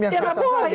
yang salah satu saja